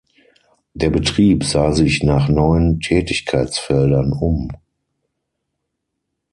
Der Betrieb sah sich nach neuen Tätigkeitsfeldern um.